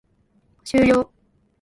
終了